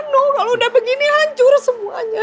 aduh kalau udah begini hancur semuanya